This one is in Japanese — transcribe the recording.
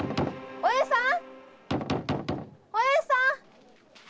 お栄さん！